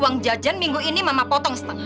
uang jajan minggu ini mama potong